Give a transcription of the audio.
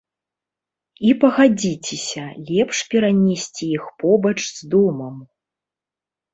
І пагадзіцеся, лепш перанесці іх побач з домам.